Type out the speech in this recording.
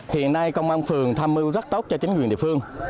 hiện nay công an phường tham mưu rất tốt cho chính quyền địa phương